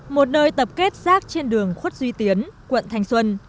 một nơi tập kết rác trên đường khuất duy tiến quận thanh xuân